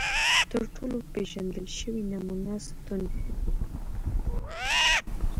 تر ټولو پېژندل شوې نمونه ستونهنج ده.